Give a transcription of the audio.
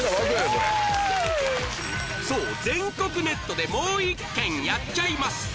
これそう全国ネットでもう１県やっちゃいます